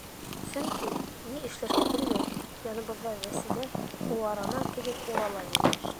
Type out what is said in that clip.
Сөнки, ни эшләргә белмәй, яныбыҙҙа Вәсилә ыуарама килеп урала ине.